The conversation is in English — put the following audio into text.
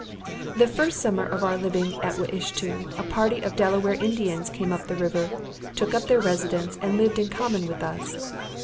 The first summer of our living at Wiishto, a party of Delaware Indians came up the river, took up their residence, and lived in common with us.